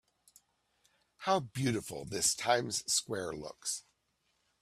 How beautiful this Times Square looks